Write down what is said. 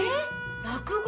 ⁉落語？